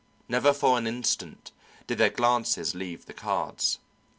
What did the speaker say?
Never for an instant did their glances leave the cards.